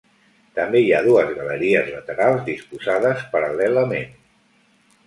També hi ha dues galeries laterals disposades paral·lelament.